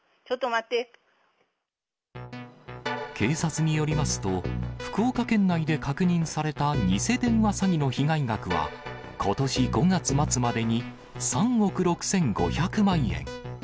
警察によりますと、福岡県内で確認されたニセ電話詐欺の被害額は、ことし５月末までに３億６５００万円。